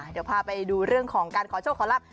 เดี๋ยวพาไปดูเรื่องของการขอโชคขอรับ